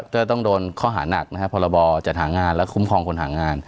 ก็ต้องโดนข้อหานักนะครับพรบจัดหางานและคุ้มครองคนหางาน